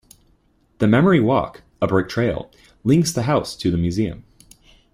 The Memory Walk, a brick trail, links the house to the museum.